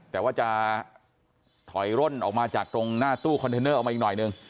แต่ว่าจะถอยร่นออกมาจากตรงหน้าตู้คอนเทนเนอร์ออกมาอีกหน่อยหนึ่ง